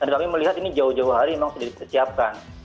tapi melihat ini jauh jauh hari memang sudah disediakan